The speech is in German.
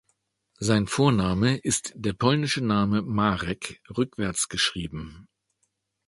Sein Vorname ist der polnische Name "Marek" rückwärts geschrieben.